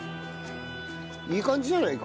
いい感じじゃないか？